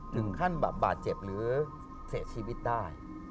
หนึ่งขั้นบาทเจ็บหรือเสดชีวิตได้